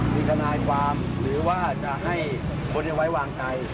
มีทนายความหรือว่าจะให้คนที่ไว้วางใจ